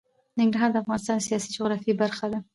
ننګرهار د افغانستان د سیاسي جغرافیه برخه ده.